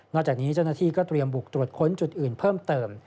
จากนี้เจ้าหน้าที่ก็เตรียมบุกตรวจค้นจุดอื่นเพิ่มเติม